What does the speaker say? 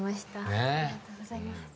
ありがとうございます。